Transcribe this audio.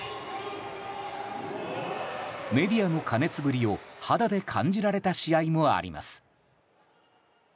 メディアの過熱ぶりを肌で感じられた試合もあります。